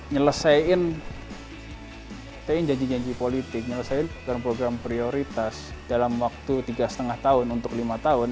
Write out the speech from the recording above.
nyelesaiin janji janji politik nyelesai program prioritas dalam waktu tiga lima tahun untuk lima tahun